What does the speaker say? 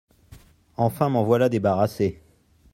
Enfin m’en voilà débarrassée.